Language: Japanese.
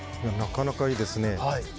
なかなかいいですね。